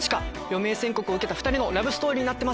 余命宣告を受けた２人のラブストーリーになってます。